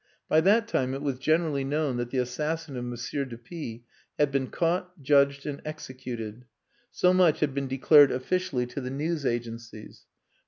By that time it was generally known that the assassin of M. de P had been caught, judged, and executed. So much had been declared officially to the news agencies.